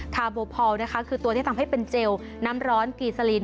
คาร์โบพอลนะคะคือตัวที่ทำให้เป็นเจลน้ำร้อนกีซาลิน